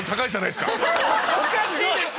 おかしいですって！